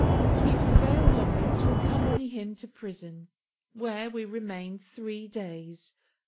He prevailed on me to accompany him to prison, where we remained three days.